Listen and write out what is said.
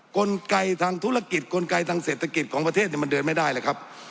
กลไกทางธุรกิจกลไกทางเศรษฐกิจของประเทศมันเดินไม่ได้เลยครับ